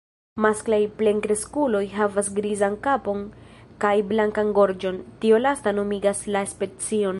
Masklaj plenkreskuloj havas grizan kapon kaj blankan gorĝon, tio lasta nomigas la specion.